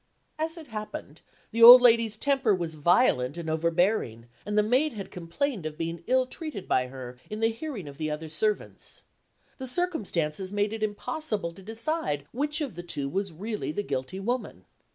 As it happened, the old lady's temper was violent and overbearing; and the maid had complained of being ill treated by her, in the hearing of the other servants. The circumstances made it impossible to decide which of the two was really the guilty woman.